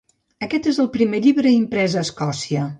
Aquest és el primer llibre imprès a Escòcia.